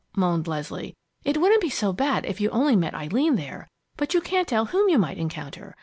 moaned Leslie. "It wouldn't be so bad if you only met Eileen there but you can't tell whom you might encounter.